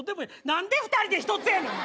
何で２人で１つやねん！